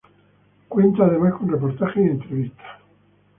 Cuenta además con reportajes y entrevistas.